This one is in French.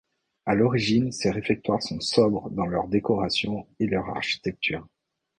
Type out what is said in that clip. À l'origine ces réfectoires sont sobres dans leur décoration et leur architecture.